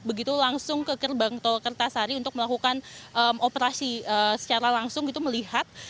begitu langsung ke gerbang tol kertasari untuk melakukan operasi secara langsung gitu melihat